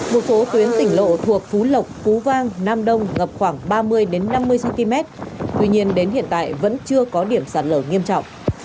một số tuyến tỉnh lộ thuộc phú lộc phú vang nam đông ngập khoảng ba mươi năm mươi cm tuy nhiên đến hiện tại vẫn chưa có điểm sạt lở nghiêm trọng